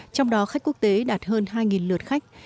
trong đó khách quốc tế đạt hơn hai lượt khách